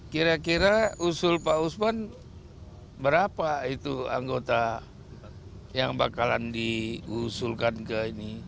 kira kira usul pak usman berapa itu anggota yang bakalan diusulkan ke ini